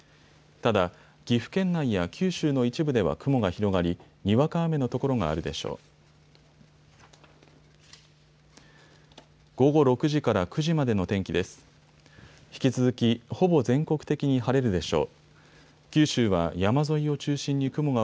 ただ岐阜県内や九州の一部では雲が広がり、にわか雨の所があるでしょう。